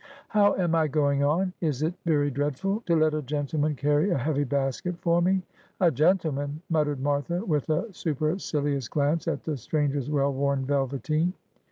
' How am I going on ? Is it very dreadful to let a gentleman carry a heavy basket for me?' ' A gentleman !' muttered Martha, with a supercilious glance at the stranger's well worn velveteen.